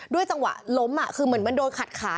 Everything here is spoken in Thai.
จังหวะล้มคือเหมือนมันโดนขัดขา